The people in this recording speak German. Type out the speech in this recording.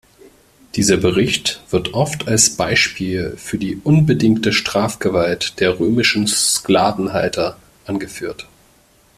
Dieser Bericht wird oft als Beispiel für die unbedingte Strafgewalt der römischen Sklavenhalter angeführt.